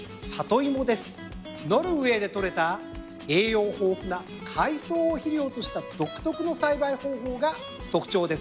ノルウェーでとれた栄養豊富な海藻を肥料とした独特の栽培方法が特徴です。